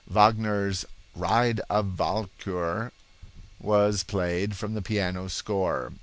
Wagner's "Ride of Walkure" was played from the piano score.